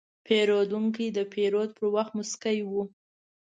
پیرودونکی د پیرود پر وخت موسکی و.